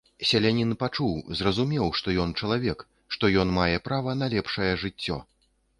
Селянін пачуў, зразумеў, што ён чалавек, што ён мае права на лепшае жыццё.